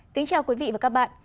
kính chào quý vị và các bạn